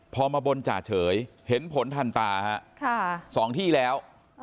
พอมาบนจ่าเฉยเห็นผลทันตา๒ที่แล้ว